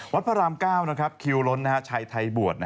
พระราม๙คิวล้นชัยไทยบวช